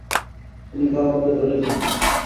তিনি কারাদণ্ডে দণ্ডিত হন।